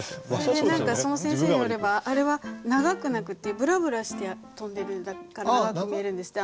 それで何かその先生によればあれは長くなくてぶらぶらして飛んでるから長く見えるんですって。